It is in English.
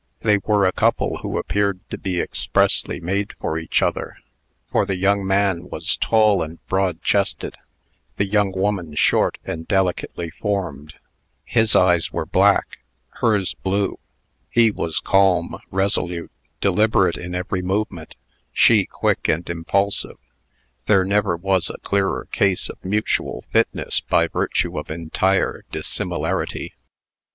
They were a couple who appeared to be expressly made for each other; for the young man was tall and broad chested, the young woman short, and delicately formed; his eyes were black, hers blue; he was calm, resolute, deliberate in every movement, she quick and impulsive. There never was a clearer case of mutual fitness by virtue of entire dissimilarity.